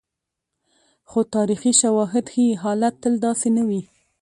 خو تاریخي شواهد ښيي، حالت تل داسې نه وي.